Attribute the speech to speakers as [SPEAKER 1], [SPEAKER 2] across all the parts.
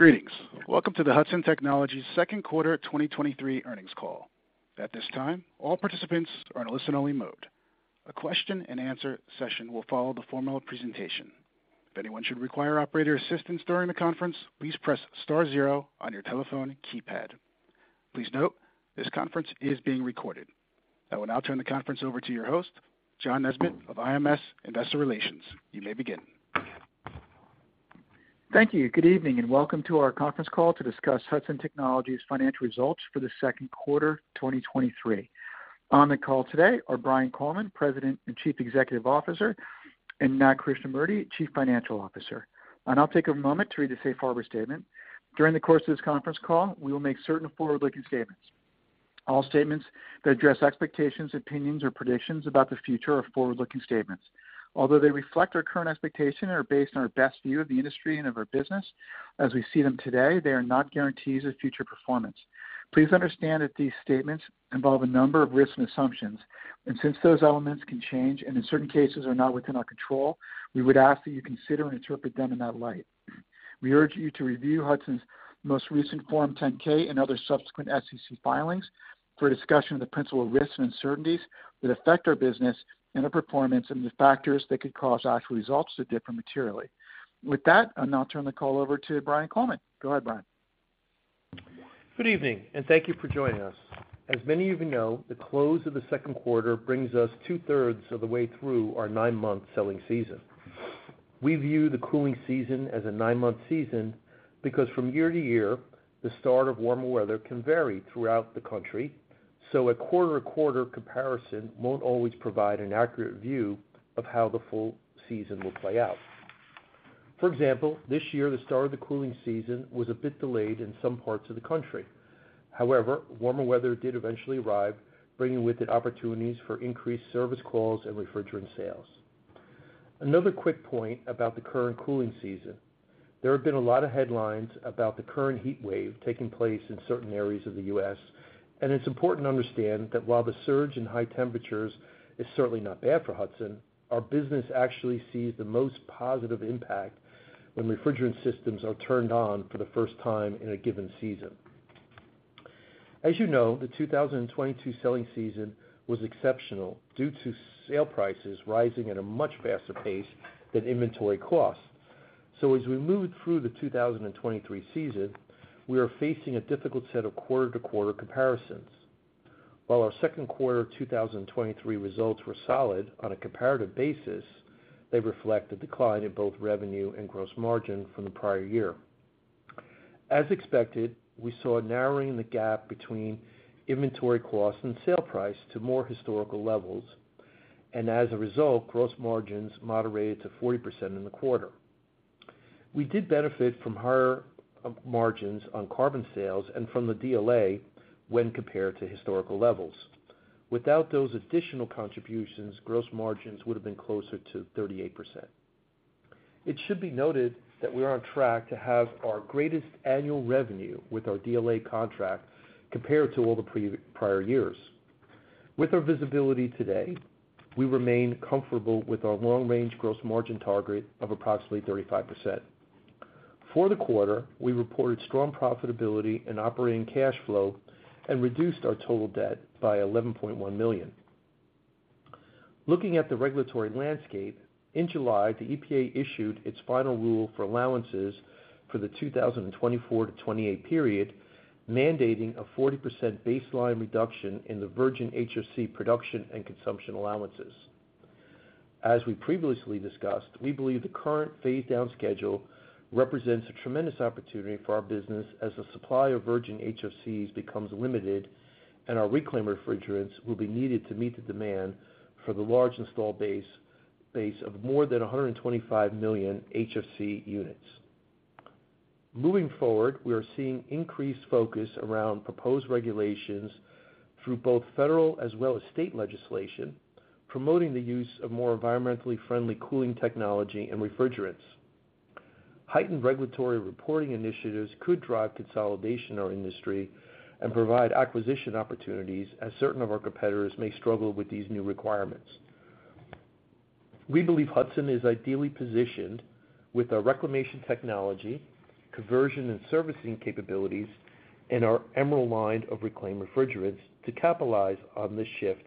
[SPEAKER 1] Greetings! Welcome to the Hudson Technologies second quarter 2023 earnings call. At this time, all participants are in a listen-only mode. A question-and-answer session will follow the formal presentation. If anyone should require operator assistance during the conference, please press star zero on your telephone keypad. Please note, this conference is being recorded. I will now turn the conference over to your host, John Nesbett of IMS Investor Relations. You may begin.
[SPEAKER 2] Thank you. Good evening, welcome to our conference call to discuss Hudson Technologies' financial results for the second quarter 2023. On the call today are Brian Coleman, President and Chief Executive Officer, and Nat Krishnamurti, Chief Financial Officer. I'll take a moment to read the safe harbor statement. During the course of this conference call, we will make certain forward-looking statements. All statements that address expectations, opinions, or predictions about the future are forward-looking statements. Although they reflect our current expectation and are based on our best view of the industry and of our business as we see them today, they are not guarantees of future performance. Please understand that these statements involve a number of risks and assumptions, since those elements can change and in certain cases are not within our control, we would ask that you consider and interpret them in that light. We urge you to review Hudson's most recent Form 10-K and other subsequent SEC filings for a discussion of the principal risks and uncertainties that affect our business and our performance and the factors that could cause actual results to differ materially. With that, I'll now turn the call over to Brian Coleman. Go ahead, Brian.
[SPEAKER 3] Good evening, and thank you for joining us. As many of you know, the close of the second quarter brings us two-thirds of the way through our nine-month selling season. We view the cooling season as a nine-month season because from year to year, the start of warmer weather can vary throughout the country, so a quarter-to-quarter comparison won't always provide an accurate view of how the full season will play out. For example, this year, the start of the cooling season was a bit delayed in some parts of the country. However, warmer weather did eventually arrive, bringing with it opportunities for increased service calls and refrigerant sales. Another quick point about the current cooling season: there have been a lot of headlines about the current heat wave taking place in certain areas of the U.S. It's important to understand that while the surge in high temperatures is certainly not bad for Hudson, our business actually sees the most positive impact when refrigerant systems are turned on for the first time in a given season. As you know, the 2022 selling season was exceptional due to sale prices rising at a much faster pace than inventory costs. As we moved through the 2023 season, we are facing a difficult set of quarter-to-quarter comparisons. While our second quarter 2023 results were solid on a comparative basis, they reflect a decline in both revenue and gross margin from the prior year. As expected, we saw a narrowing in the gap between inventory costs and sale price to more historical levels, and as a result, gross margins moderated to 40% in the quarter. We did benefit from higher margins on carbon sales and from the DLA when compared to historical levels. Without those additional contributions, gross margins would have been closer to 38%. It should be noted that we are on track to have our greatest annual revenue with our DLA contract compared to all the prior years. With our visibility today, we remain comfortable with our long-range gross margin target of approximately 35%. For the quarter, we reported strong profitability and operating cash flow and reduced our total debt by $11.1 million. Looking at the regulatory landscape, in July, the EPA issued its final rule for allowances for the 2024 to 28 period, mandating a 40% baseline reduction in the virgin HFC production and consumption allowances. We previously discussed, we believe the current phase down schedule represents a tremendous opportunity for our business as the supply of virgin HFCs becomes limited and our reclaimed refrigerants will be needed to meet the demand for the large install base, base of more than 125 million HFC units. Moving forward, we are seeing increased focus around proposed regulations through both federal as well as state legislation, promoting the use of more environmentally friendly cooling technology and refrigerants. Heightened regulatory reporting initiatives could drive consolidation in our industry and provide acquisition opportunities, as certain of our competitors may struggle with these new requirements. We believe Hudson is ideally positioned with our reclamation technology, conversion and servicing capabilities, and our EMERALD line of reclaimed refrigerants to capitalize on this shift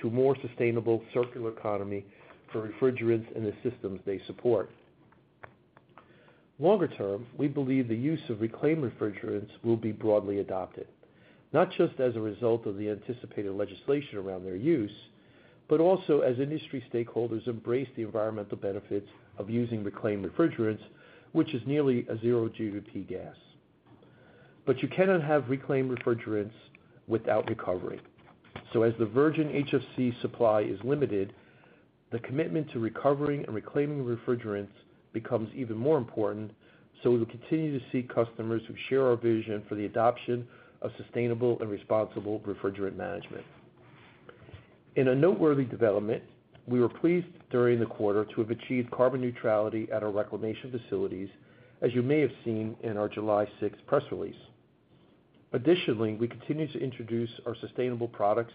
[SPEAKER 3] to a more sustainable circular economy for refrigerants and the systems they support. Longer term, we believe the use of reclaimed refrigerants will be broadly adopted, not just as a result of the anticipated legislation around their use, but also as industry stakeholders embrace the environmental benefits of using reclaimed refrigerants, which is nearly a zero GWP gas. You cannot have reclaimed refrigerants without recovery. As the virgin HFC supply is limited, the commitment to recovering and reclaiming refrigerants becomes even more important, so we will continue to see customers who share our vision for the adoption of sustainable and responsible refrigerant management. In a noteworthy development, we were pleased during the quarter to have achieved carbon neutrality at our reclamation facilities, as you may have seen in our July 6th press release. Additionally, we continue to introduce our sustainable products,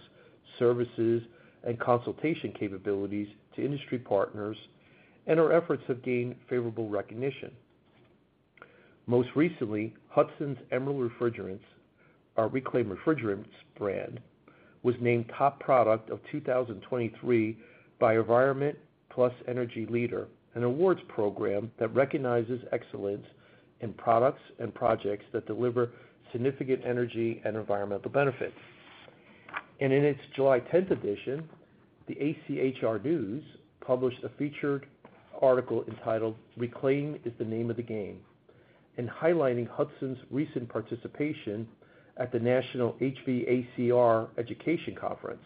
[SPEAKER 3] services, and consultation capabilities to industry partners, and our efforts have gained favorable recognition. Most recently, Hudson's EMERALD Refrigerants, our reclaimed refrigerants brand, was named Top Product of 2023 by Environment+Energy Leader, an awards program that recognizes excellence in products and projects that deliver significant energy and environmental benefits. In its July 10th edition, the ACHR NEWS published a featured article entitled Reclaim is the Name of the Game, and highlighting Hudson's recent participation at the National HVACR Education Conference.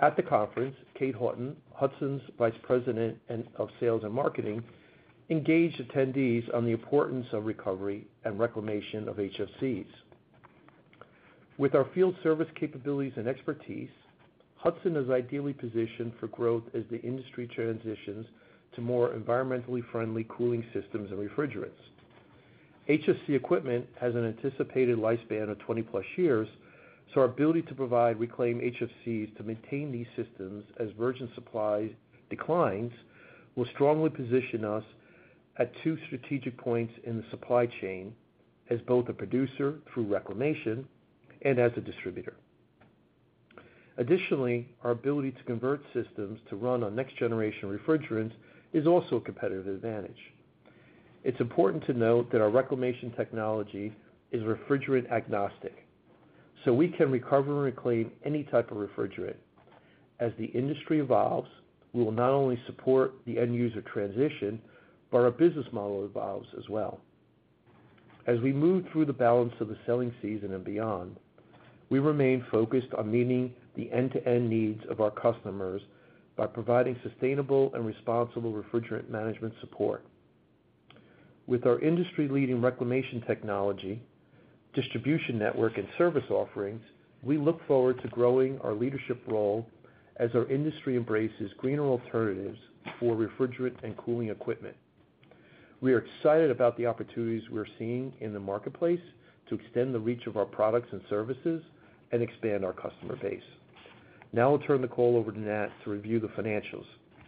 [SPEAKER 3] At the conference, Kate Houghton, Hudson's Vice President of Sales and Marketing, engaged attendees on the importance of recovery and reclamation of HFCs. With our field service capabilities and expertise, Hudson is ideally positioned for growth as the industry transitions to more environmentally friendly cooling systems and refrigerants. HFC equipment has an anticipated lifespan of 20+ years, so our ability to provide reclaim HFCs to maintain these systems as virgin supply declines, will strongly position us at two strategic points in the supply chain: as both a producer through reclamation and as a distributor. Additionally, our ability to convert systems to run on next-generation refrigerants is also a competitive advantage. It's important to note that our reclamation technology is refrigerant-agnostic, so we can recover and reclaim any type of refrigerant. As the industry evolves, we will not only support the end user transition, but our business model evolves as well. As we move through the balance of the selling season and beyond, we remain focused on meeting the end-to-end needs of our customers by providing sustainable and responsible refrigerant management support. With our industry-leading reclamation technology, distribution network, and service offerings, we look forward to growing our leadership role as our industry embraces greener alternatives for refrigerant and cooling equipment. We are excited about the opportunities we're seeing in the marketplace to extend the reach of our products and services and expand our customer base. I'll turn the call over to Nat to review the financials.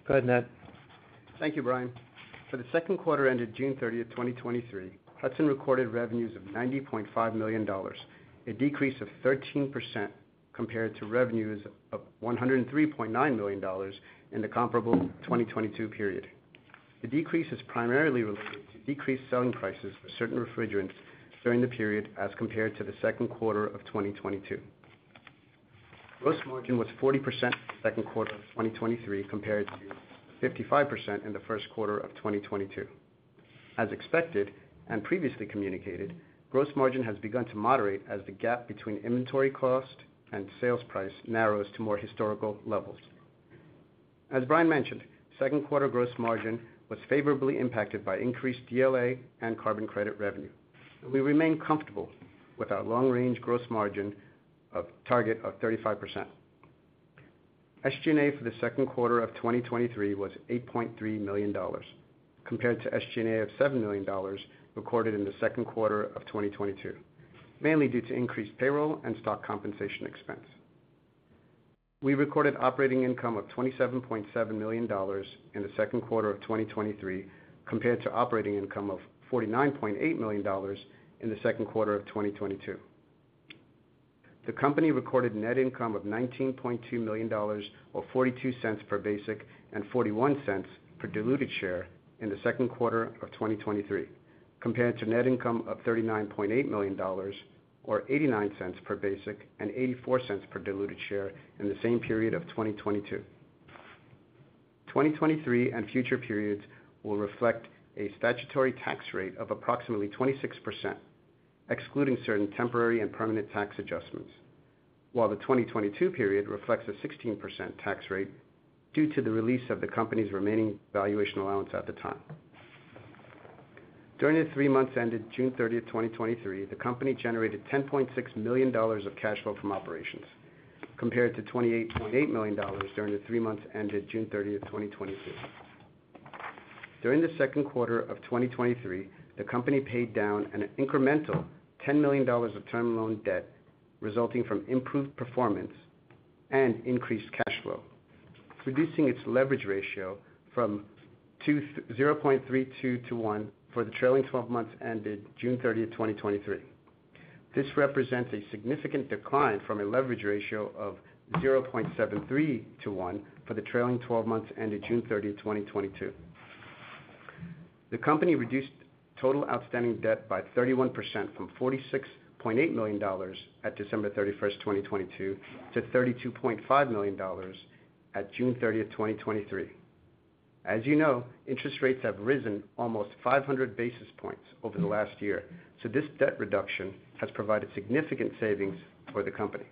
[SPEAKER 3] Go ahead, Nat.
[SPEAKER 4] Thank you, Brian. For the second quarter ended June thirtieth, 2023, Hudson recorded revenues of $90.5 million, a decrease of 13% compared to revenues of $103.9 million in the comparable 2022 period. The decrease is primarily related to decreased selling prices for certain refrigerants during the period as compared to the second quarter of 2022. Gross margin was 40% second quarter of 2023, compared to 55% in the first quarter of 2022. As expected and previously communicated, gross margin has begun to moderate as the gap between inventory cost and sales price narrows to more historical levels. As Brian mentioned, second quarter gross margin was favorably impacted by increased DLA and carbon credit revenue. We remain comfortable with our long-range gross margin of target of 35%. SG&A for the second quarter of 2023 was $8.3 million, compared to SG&A of $7 million recorded in the second quarter of 2022, mainly due to increased payroll and stock compensation expense. We recorded operating income of $27.7 million in the second quarter of 2023, compared to operating income of $49.8 million in the second quarter of 2022. The company recorded net income of $19.2 million, or $0.42 per basic and $0.41 per diluted share in the second quarter of 2023, compared to net income of $39.8 million, or $0.89 per basic and $0.84 per diluted share in the same period of 2022. 2023 and future periods will reflect a statutory tax rate of approximately 26%, excluding certain temporary and permanent tax adjustments, while the 2022 period reflects a 16% tax rate due to the release of the company's remaining valuation allowance at the time. During the 3 months ended June 30, 2023, the company generated $10.6 million of cash flow from operations, compared to $28.8 million during the 3 months ended June 30, 2022. During the second quarter of 2023, the company paid down an incremental $10 million of term loan debt, resulting from improved performance and increased cash flow, reducing its leverage ratio from 0.32 to 1 for the trailing 12 months ended June 30, 2023. This represents a significant decline from a leverage ratio of 0.73 to 1 for the trailing 12 months ended June 30th, 2022. The company reduced total outstanding debt by 31%, from $46.8 million at December 31st, 2022, to $32.5 million at June 30th, 2023. As you know, interest rates have risen almost 500 basis points over the last year, this debt reduction has provided significant savings for the company.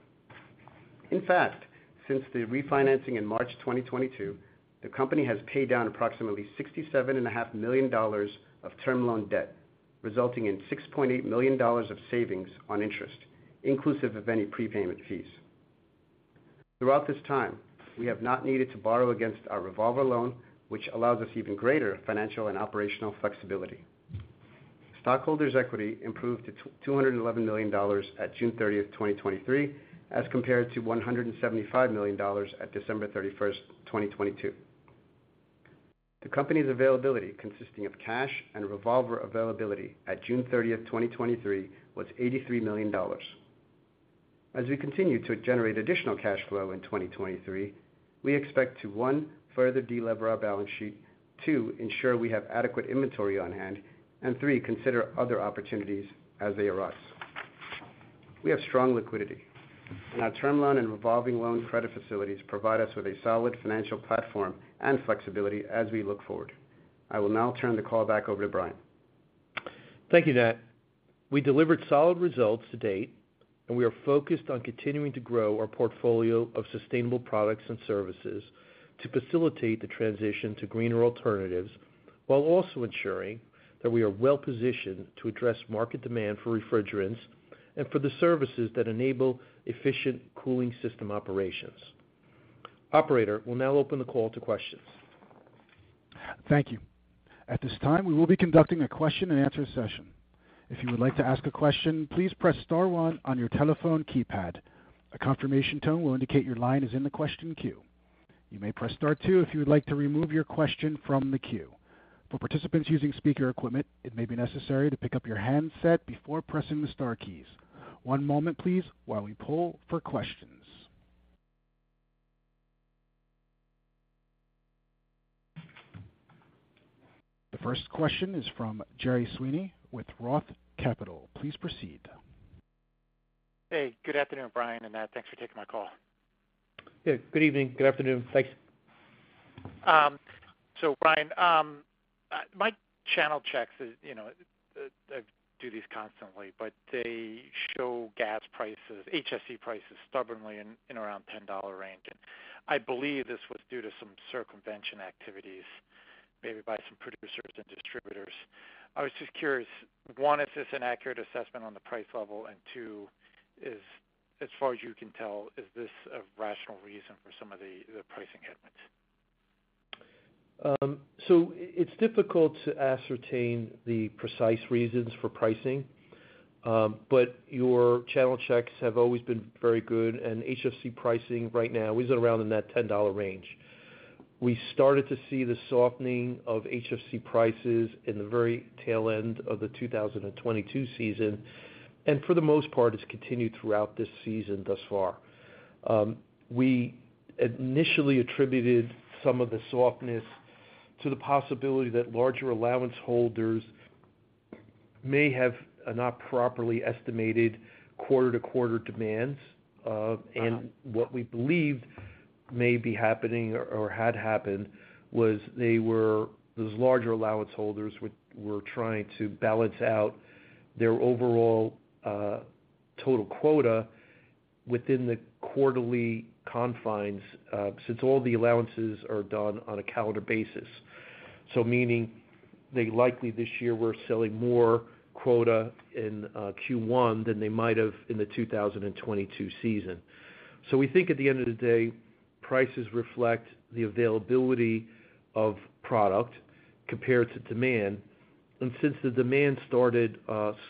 [SPEAKER 4] In fact, since the refinancing in March 2022, the company has paid down approximately $67.5 million of term loan debt, resulting in $6.8 million of savings on interest, inclusive of any prepayment fees. Throughout this time, we have not needed to borrow against our revolver loan, which allows us even greater financial and operational flexibility. Stockholders' equity improved to $211 million at June 30, 2023, as compared to $175 million at December 31, 2022. The company's availability, consisting of cash and revolver availability at June 30, 2023, was $83 million. As we continue to generate additional cash flow in 2023, we expect to, 1, further delever our balance sheet, 2, ensure we have adequate inventory on hand, and 3, consider other opportunities as they arise. We have strong liquidity. Our term loan and revolving loan credit facilities provide us with a solid financial platform and flexibility as we look forward. I will now turn the call back over to Brian.
[SPEAKER 3] Thank you, Nat. We delivered solid results to date, and we are focused on continuing to grow our portfolio of sustainable products and services to facilitate the transition to greener alternatives, while also ensuring that we are well-positioned to address market demand for refrigerants and for the services that enable efficient cooling system operations. Operator, we'll now open the call to questions.
[SPEAKER 1] Thank you. At this time, we will be conducting a question-and-answer session. If you would like to ask a question, please press star one on your telephone keypad. A confirmation tone will indicate your line is in the question queue. You may press star two if you would like to remove your question from the queue. For participants using speaker equipment, it may be necessary to pick up your handset before pressing the star keys. One moment, please, while we poll for questions. The first question is from Gerry Sweeney with Roth Capital. Please proceed.
[SPEAKER 5] Hey, good afternoon, Brian and Nat. Thanks for taking my call.
[SPEAKER 3] Yeah, good evening. Good afternoon. Thanks.
[SPEAKER 5] Brian, my channel checks is, I do these constantly, but they show gas prices, HFC prices, stubbornly in around $10 range. I believe this was due to some circumvention activities, maybe by some producers and distributors. I was just curious, one, if this is an accurate assessment on the price level, and two, is, as far as you can tell, is this a rational reason for some of the, the pricing headwinds?
[SPEAKER 3] It's difficult to ascertain the precise reasons for pricing, but your channel checks have always been very good, and HFC pricing right now is around in that $10 range. We started to see the softening of HFC prices in the very tail end of the 2022 season, and for the most part, it's continued throughout this season thus far. We initially attributed some of the softness to the possibility that larger allowance holders may have not properly estimated quarter-to-quarter demands. What we believed may be happening or had happened was those larger allowance holders were trying to balance out their overall total quota within the quarterly confines, since all the allowances are done on a calendar basis. Meaning they likely this year, were selling more quota in Q1 than they might have in the 2022 season. We think at the end of the day, prices reflect the availability of product compared to demand. Since the demand started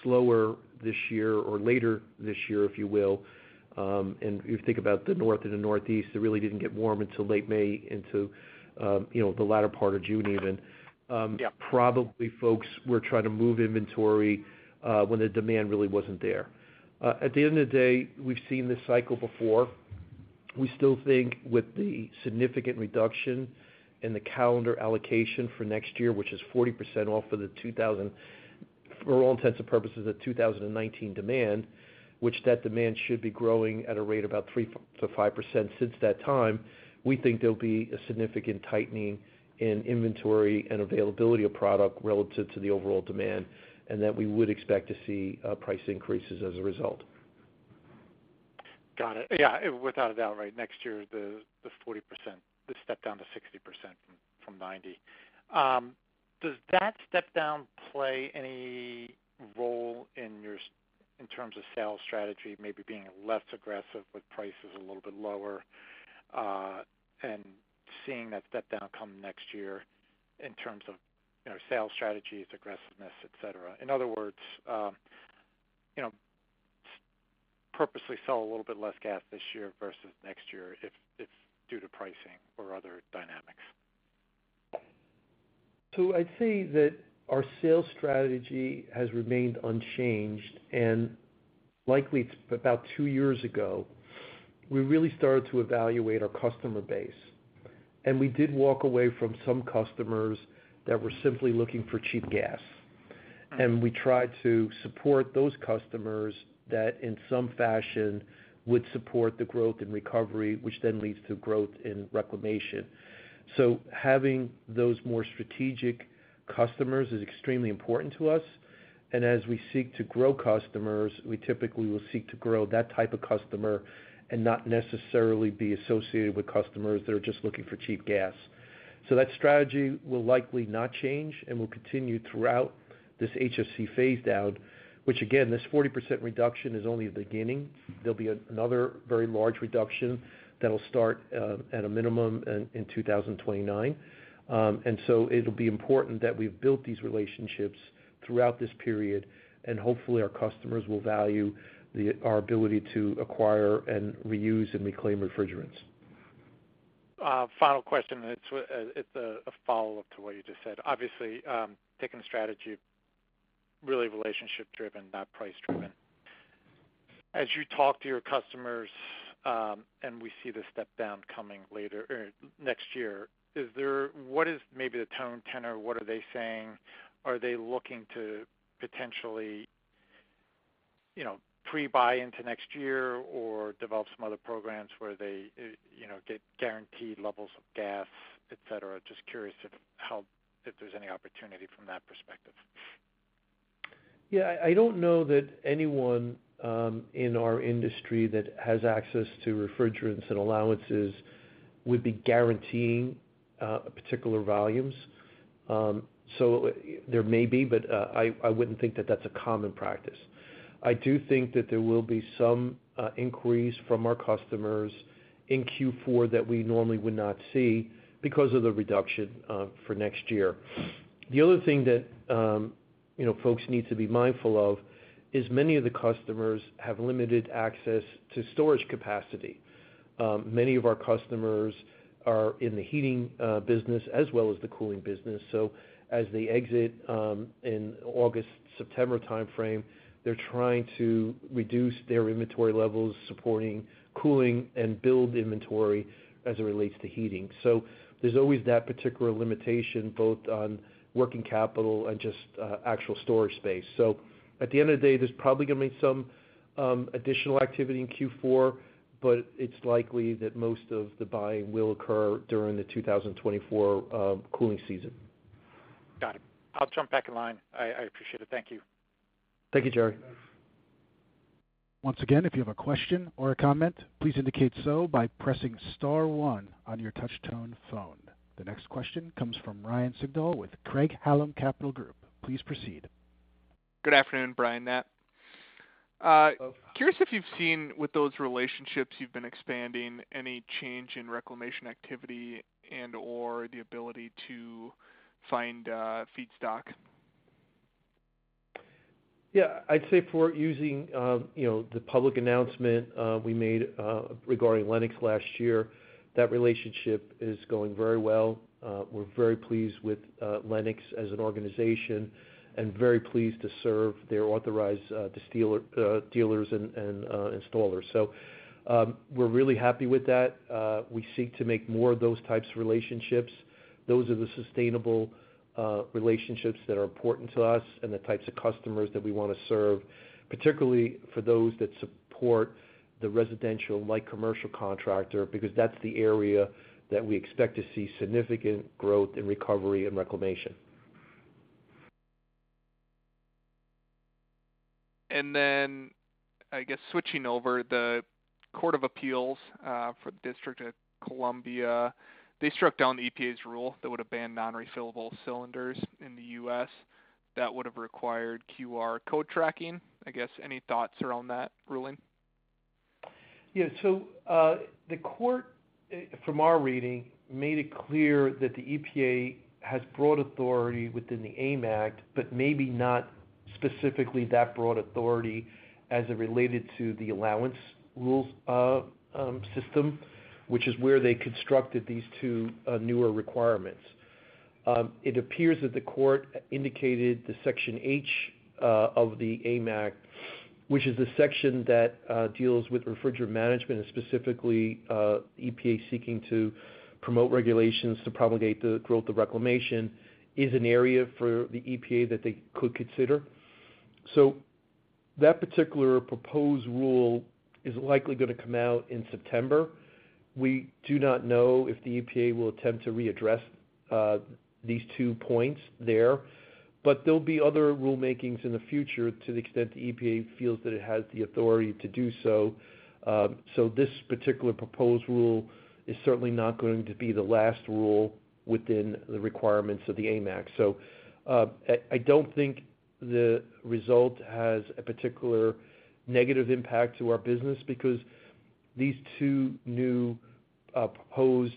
[SPEAKER 3] slower this year or later this year, if you will, and if you think about the North and the Northeast, it really didn't get warm until late May into, you know, the latter part of June, even.
[SPEAKER 5] Yeah.
[SPEAKER 3] Probably folks were trying to move inventory when the demand really wasn't there. At the end of the day, we've seen this cycle before. We still think with the significant reduction in the calendar allocation for next year, which is 40% off for all intents and purposes, the 2019 demand, which that demand should be growing at a rate about 3%-5% since that time, we think there'll be a significant tightening in inventory and availability of product relative to the overall demand, and that we would expect to see price increases as a result.
[SPEAKER 5] Got it. Yeah, without a doubt, right. Next year, the 40%, the step down to 60% from 90. Does that step down play any role in your, in terms of sales strategy, maybe being less aggressive with prices a little bit lower, and seeing that step down come next year in terms of, you know, sales strategies, aggressiveness, et cetera? In other words, you know, purposely sell a little bit less gas this year versus next year, if it's due to pricing or other dynamics.
[SPEAKER 3] I'd say that our sales strategy has remained unchanged. Likely about 2 years ago, we really started to evaluate our customer base. We did walk away from some customers that were simply looking for cheap gas. We tried to support those customers that, in some fashion, would support the growth and recovery, which then leads to growth in reclamation. Having those more strategic customers is extremely important to us. As we seek to grow customers, we typically will seek to grow that type of customer and not necessarily be associated with customers that are just looking for cheap gas. That strategy will likely not change and will continue throughout this HFC phase-down, which again, this 40% reduction is only the beginning. There'll be another very large reduction that'll start at a minimum in 2029. It'll be important that we've built these relationships throughout this period, and hopefully, our customers will value the, our ability to acquire and reuse and reclaim refrigerants.
[SPEAKER 5] Final question, and it's a follow-up to what you just said. Obviously, taking a strategy, really relationship-driven, not price-driven. As you talk to your customers, and we see the step down coming later next year, is there, what is maybe the tone, tenor, what are they saying? Are they looking to potentially, you know, pre-buy into next year or develop some other programs where they, you know, get guaranteed levels of gas, et cetera? Just curious if, how, if there's any opportunity from that perspective.
[SPEAKER 3] Yeah, I don't know that anyone in our industry that has access to refrigerants and allowances would be guaranteeing particular volumes. There may be, but I, I wouldn't think that that's a common practice. I do think that there will be some inquiries from our customers in Q4 that we normally would not see because of the reduction for next year. The other thing that, you know, folks need to be mindful of is many of the customers have limited access to storage capacity. Many of our customers are in the heating business as well as the cooling business. As they exit in August, September timeframe, they're trying to reduce their inventory levels, supporting cooling and build inventory as it relates to heating. There's always that particular limitation, both on working capital and just actual storage space. At the end of the day, there's probably gonna be some additional activity in Q4, but it's likely that most of the buying will occur during the 2024 cooling season.
[SPEAKER 5] Got it. I'll jump back in line. I appreciate it. Thank you.
[SPEAKER 3] Thank you, Gerry.
[SPEAKER 1] Once again, if you have a question or a comment, please indicate so by pressing star one on your touch tone phone. The next question comes from Ryan Sigdahl with Craig-Hallum Capital Group. Please proceed.
[SPEAKER 6] Good afternoon, Brian and Nat. Curious if you've seen, with those relationships you've been expanding, any change in reclamation activity and/or the ability to find, feedstock?
[SPEAKER 3] Yeah, I'd say if we're using, you know, the public announcement we made regarding Lennox last year, that relationship is going very well. We're very pleased with Lennox as an organization and very pleased to serve their authorized dealer dealers and installers. We're really happy with that. We seek to make more of those types of relationships. Those are the sustainable relationships that are important to us and the types of customers that we wanna serve, particularly for those that support the residential, light commercial contractor, because that's the area that we expect to see significant growth and recovery and reclamation.
[SPEAKER 6] Then, I guess, switching over, the Court of Appeals for the District of Columbia, they struck down the EPA's rule that would have banned non-refillable cylinders in the U.S. That would have required QR code tracking. I guess, any thoughts around that ruling?
[SPEAKER 3] Yeah. The court, from our reading, made it clear that the EPA has broad authority within the AIM Act, but maybe not specifically that broad authority as it related to the allowance rules system, which is where they constructed these two newer requirements. It appears that the court indicated the Section H of the AIM Act, which is the section that deals with refrigerant management, and specifically, EPA seeking to promote regulations to propagate the growth of reclamation, is an area for the EPA that they could consider. That particular proposed rule is likely gonna come out in September. We do not know if the EPA will attempt to readdress these two points there, but there'll be other rulemakings in the future to the extent the EPA feels that it has the authority to do so. This particular proposed rule is certainly not going to be the last rule within the requirements of the AIM Act. I don't think the result has a particular negative impact to our business because these two new proposed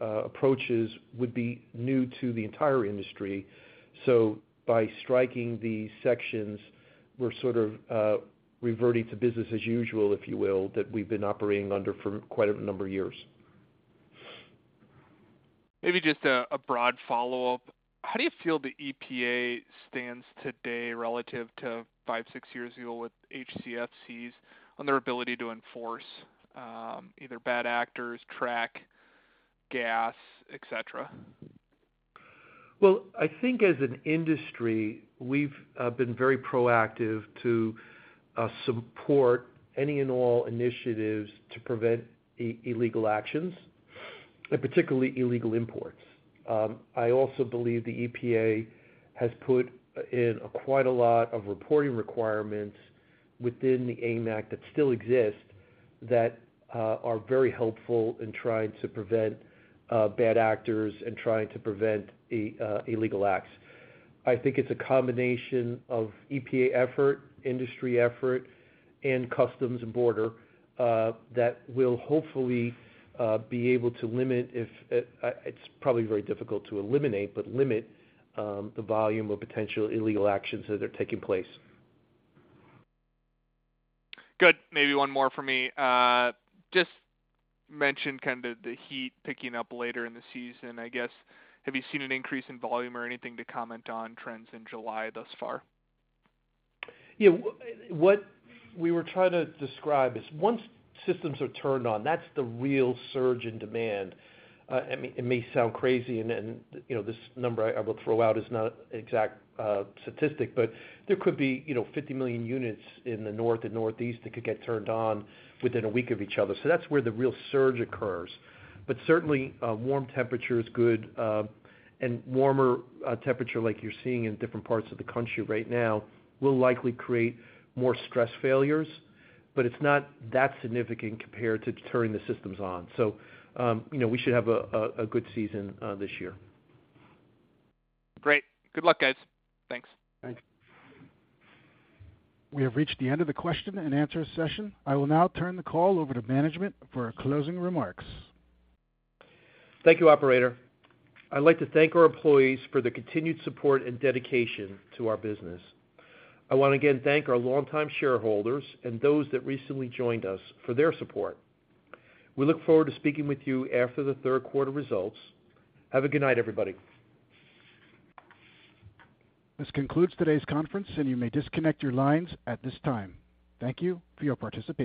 [SPEAKER 3] approaches would be new to the entire industry. By striking these sections, we're sort of reverting to business as usual, if you will, that we've been operating under for quite a number of years.
[SPEAKER 6] Maybe just a, a broad follow-up. How do you feel the EPA stands today relative to five, six years ago with HFCs on their ability to enforce, either bad actors, track gas, et cetera?
[SPEAKER 3] Well, I think as an industry, we've been very proactive to support any and all initiatives to prevent illegal actions. Particularly illegal imports. I also believe the EPA has put in quite a lot of reporting requirements within the AIM Act that still exist, that are very helpful in trying to prevent bad actors and trying to prevent illegal acts. I think it's a combination of EPA effort, industry effort, and customs and border that will hopefully be able to limit if it's probably very difficult to eliminate, but limit the volume of potential illegal actions that are taking place.
[SPEAKER 6] Good. Maybe one more for me. Just mention kind of the heat picking up later in the season, I guess. Have you seen an increase in volume or anything to comment on trends in July thus far?
[SPEAKER 3] Yeah, what we were trying to describe is once systems are turned on, that's the real surge in demand. It may, it may sound crazy, and then, you know, this number I, I will throw out is not an exact statistic, but there could be, you know, 50 million units in the North and Northeast that could get turned on within a week of each other. That's where the real surge occurs. Certainly, warm temperature is good, and warmer temperature, like you're seeing in different parts of the country right now, will likely create more stress failures, but it's not that significant compared to turning the systems on. You know, we should have a good season this year.
[SPEAKER 6] Great. Good luck, guys. Thanks.
[SPEAKER 3] Thanks.
[SPEAKER 1] We have reached the end of the question and answer session. I will now turn the call over to management for closing remarks.
[SPEAKER 3] Thank you, operator. I'd like to thank our employees for their continued support and dedication to our business. I want to again thank our longtime shareholders and those that recently joined us, for their support. We look forward to speaking with you after the third quarter results. Have a good night, everybody.
[SPEAKER 1] This concludes today's conference, and you may disconnect your lines at this time. Thank you for your participation.